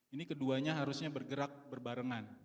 ini keduanya harusnya bergerak berbarengan